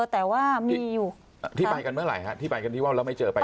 แต่ว่ามีอยู่ที่ไปกันเมื่อไหร่ฮะที่ไปกันที่ว่าวแล้วไม่เจอไป